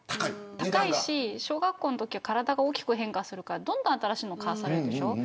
高いし、小学校のときは体が大きく変化するからどんどん新しいのを買わされるでしょう。